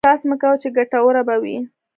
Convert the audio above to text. احساس مې کاوه چې ګټوره به وي.